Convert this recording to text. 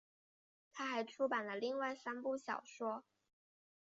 她还出版了另外三部小说。